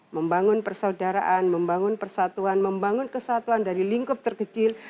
membangun persaudaraan membangun persatuan membangun kesatuan dari lingkup terkecil